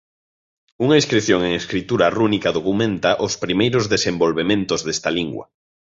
Unha inscrición en escritura rúnica documenta os primeiros desenvolvementos desta lingua.